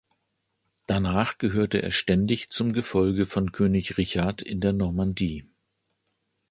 Danach gehörte er ständig zum Gefolge von König Richard in der Normandie.